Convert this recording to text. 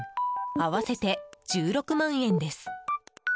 合わせて１６万円です。